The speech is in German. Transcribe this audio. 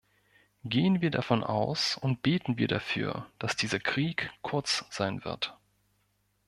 Gehen wir davon aus und beten wir dafür, dass dieser Krieg kurz sein wird.